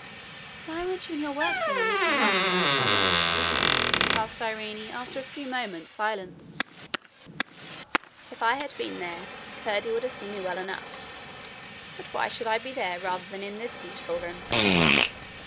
'Why weren't you in your workroom when we came up, grandmother?' asked Irene, after a few moments' silence. 'If I had been there, Curdie would have seen me well enough. But why should I be there rather than in this beautiful room?'